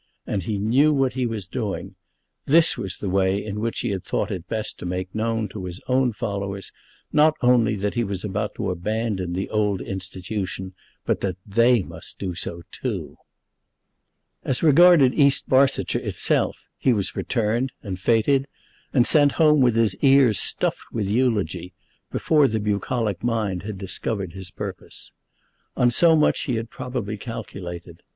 And he knew what he was doing. This was the way in which he had thought it best to make known to his own followers, not only that he was about to abandon the old Institution, but that they must do so too! As regarded East Barsetshire itself, he was returned, and fêted, and sent home with his ears stuffed with eulogy, before the bucolic mind had discovered his purpose. On so much he had probably calculated.